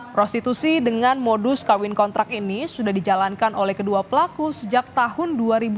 prostitusi dengan modus kawin kontrak ini sudah dijalankan oleh kedua pelaku sejak tahun dua ribu